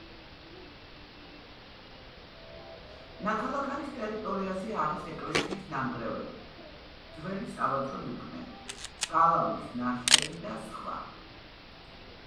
ნაქალაქარის ტერიტორიაზე არის ეკლესიის ნანგრევები, ძველი სავაჭრო დუქნები, გალავნის ნაშთები და სხვა.